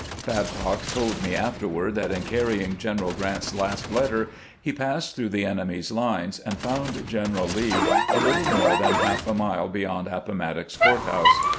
Babcock told me afterward that in carrying General Grant's last letter he passed through the enemy's lines, and found General Lee a little more than half a mile beyond Appomattox Court house.